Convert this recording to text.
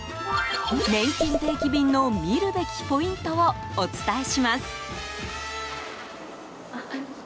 ねんきん定期便の見るべきポイントをお伝えします。